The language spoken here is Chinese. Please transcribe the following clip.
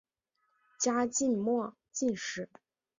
嘉靖末进士。